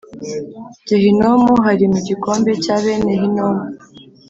gehinomu hari mu gikombe cya bene hinomu